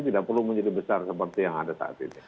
tidak perlu menjadi besar seperti yang ada saat ini